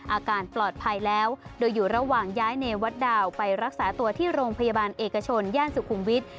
อาการปลอดภัยแล้วโดยอยู่ระหว่างย้ายเนวัตดาวไปรักษาตัวที่โรงพยาบาลเอกชนย่านสุขุมวิทย์